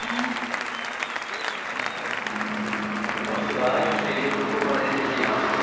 バスが相次いで空港から出てきています。